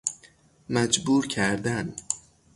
مجبور کردن